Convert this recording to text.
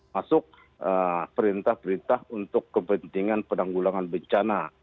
masuk perintah perintah untuk kepentingan penanggulangan bencana